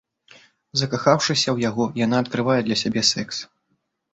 Закахаўшыся ў яго, яна адкрывае для сябе секс.